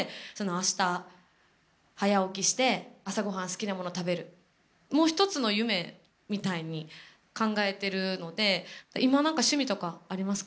あした早起きして「朝ごはん好きなもの食べる」も一つの夢みたいに考えてるので今、なんか趣味とかありますか？